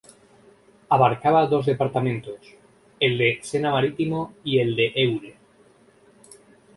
Abarcaba dos departamentos: el de "Sena Marítimo" y el de "Eure".